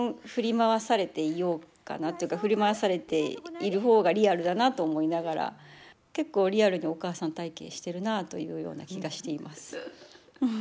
基本振り回されている方がリアルだなと思いながら結構リアルにお母さん体験してるなというような気がしています。